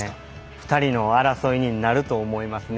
２人の争いになると思いますね。